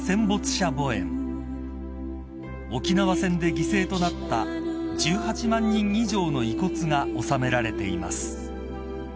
［沖縄戦で犠牲となった１８万人以上の遺骨が納められています］